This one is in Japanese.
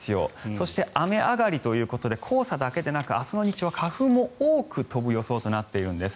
そして、雨上がりということで黄砂だけでなく明日の日中は花粉も多く飛ぶ予想となっているんです。